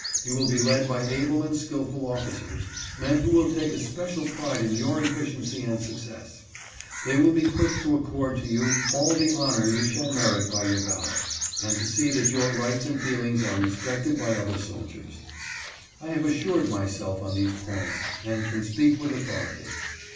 You will be led by able and skillful officers, men who will take especial pride in your efficiency and success. They will be quick to accord to you all the honor you shall merit by your valor, and to see that your rights and feelings are respected by 416 GOVERNOR JOHN A. ANDREW. other soldiers. I have assured myself on these points, and can speak with authority.